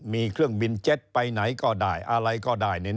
มีเครื่องบินเจ็ตไปไหนก็ได้อะไรก็ได้